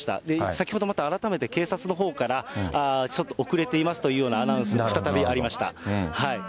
先ほどまた改めて警察のほうから、ちょっと遅れていますというようなアナウンスが再びありました。